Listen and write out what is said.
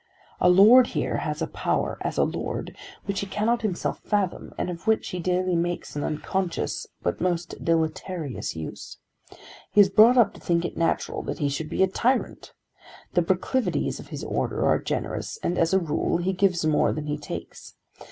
"A lord here has a power, as a lord, which he cannot himself fathom and of which he daily makes an unconscious but most deleterious use. He is brought up to think it natural that he should be a tyrant. The proclivities of his order are generous, and as a rule he gives more than he takes.